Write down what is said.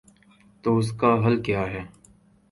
تو اس کا حل کیا ہے؟